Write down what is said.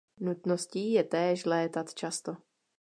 Nutností je též létat často.